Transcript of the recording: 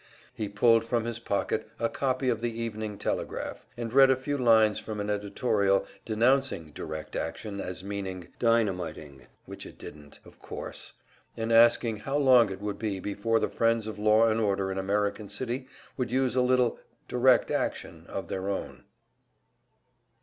He pulled from his pocket a copy of the "Evening Telegraph," and read a few lines from an editorial, denouncing "direct action" as meaning dynamiting, which it didn't, of course, and asking how long it would be before the friends of law and order in American City would use a little "direct action" of their own.